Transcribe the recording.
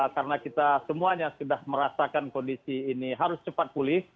karena kita semuanya sudah merasakan kondisi ini harus cepat pulih